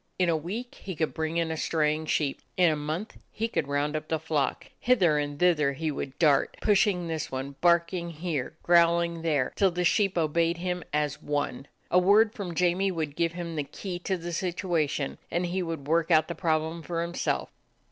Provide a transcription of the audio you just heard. In a week he could bring in a straying sheep ; in a month he could round up the flock. Hither and thither he would dart, pushing this one, barking here, growling there, till the sheep obeyed him as one. A word from Jamie would give him the key to the situation, and he would work out the prob lem for himself.